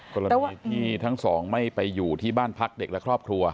กรณีที่ทั้งสองไม่ไปอยู่ที่บ้านพักเด็กและครอบครัว